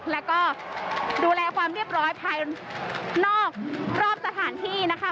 แล้วก็ดูแลความเรียบร้อยภายนอกรอบสถานที่นะคะ